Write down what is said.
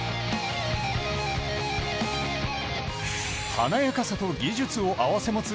華やかさと技術を併せ持つ